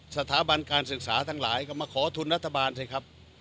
สถาบันการศึกษาทั้งหลายก็มาขอทุนรัฐบาลสิครับ